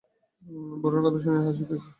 বুড়ার কথা শুনিয়া হাসিতেছ।